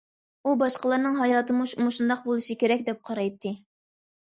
ئۇ باشقىلارنىڭ ھاياتىمۇ مۇشۇنداق بولۇشى كېرەك دەپ قارايتتى.